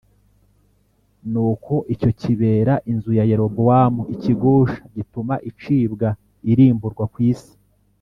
Nuko icyo kibera inzu ya Yerobowamu ikigusha, gituma icibwa irimburwa ku isi